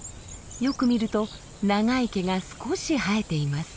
よく見ると長い毛が少し生えています。